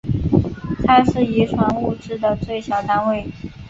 它是遗传物质的最小单位。